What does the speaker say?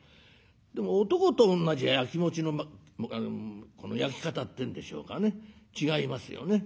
でも男と女じゃやきもちのこのやき方っていうんでしょうかね違いますよね。